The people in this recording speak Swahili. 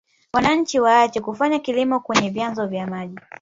Wananchi waache kufanya kilimo kwenye vyanzo vya maji